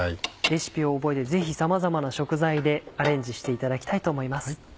レシピを覚えてぜひさまざまな食材でアレンジしていただきたいと思います。